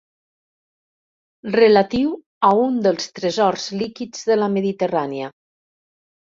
Relatiu a un dels tresors líquids de la Mediterrània.